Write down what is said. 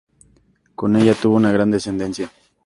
Con ella tuvo una gran descendencia.